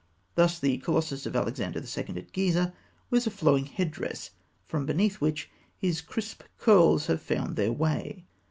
Thus, the colossus of Alexander II., at Gizeh (fig. 207), wears a flowing head dress, from beneath which his crisp curls have found their way.